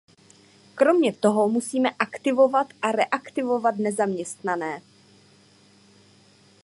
Kromě toho musíme aktivovat a reaktivovat nezaměstnané.